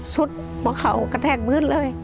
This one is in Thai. สุดเพราะเขากระแทกบื้นเลย